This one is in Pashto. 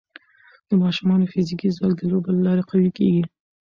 د ماشومانو فزیکي ځواک د لوبو له لارې قوي کېږي.